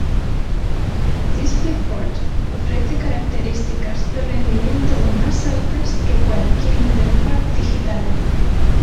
DisplayPort ofrece características de rendimiento más altas que cualquier interfaz digital.